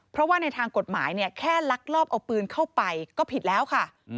เพราะว่าในทางกฎหมายเนี่ยแค่ลักลอบเอาปืนเข้าไปก็ผิดแล้วค่ะ